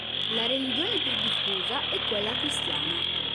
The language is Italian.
La religione più diffusa è quella Cristiana.